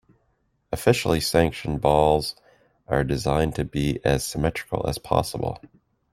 Officially sanctioned balls are designed to be as symmetrical as possible.